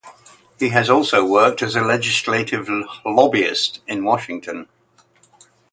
He has also worked as a legislative lobbyist in Washington.